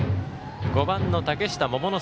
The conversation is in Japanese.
５番の嶽下桃之